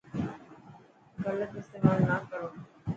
گلت استيمال نا ڪرو.